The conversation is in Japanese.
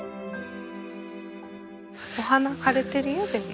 お花枯れてるよでも。